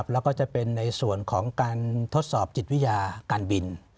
แล้วก็จะเป็นในส่วนของการทดสอบจิตวิทยาการบิน